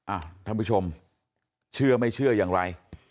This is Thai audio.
ท่านผู้ชมเชื่อไม่เชื่ออย่างไร